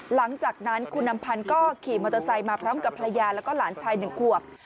หลังจากนั้นคุณอำพันธ์ก็ขี่มอเตอร์ไซค์มาพร้อมกับภรรยาแล้วก็หลานชาย๑ขวบ